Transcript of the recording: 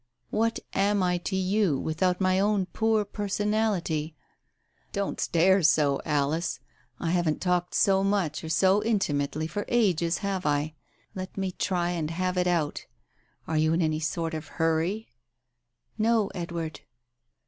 What am I to you, without my own poor person ality? ... Don't stare so, Alice! I haven't talked so much or so intimately for ages, have I? Let me try and have it out. ... Are you in any sort of hurry ?" "No, Edward."